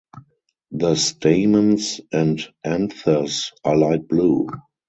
The stamens and anthers are light blue.